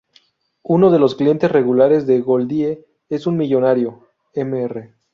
Uno de los clientes regulares de Goldie es un millonario, Mr.